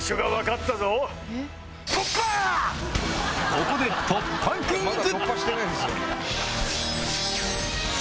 ここで突破クイズ！